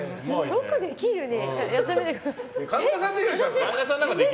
よくできるね。